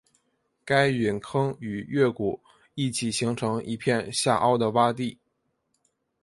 该陨坑与月谷一起形成一片下凹的洼地。